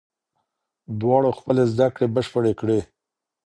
دواړو خپلې زده کړې بشپړې کړې.